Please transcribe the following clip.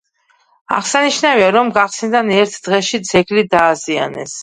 აღსანიშნავია, რომ გახსნიდან ერთ დღეში ძეგლი დააზიანეს.